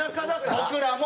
「僕らも！」。